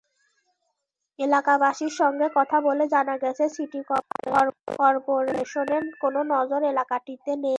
এলাকাবাসীর সঙ্গে কথা বলে জানা গেছে, সিটি করপোরেশনের কোনো নজর এলাকাটিতে নেই।